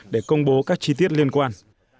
để công bố các chi tiết liên quan